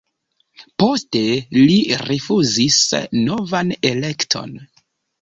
Poste li rifuzis novan elekton.